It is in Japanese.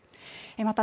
また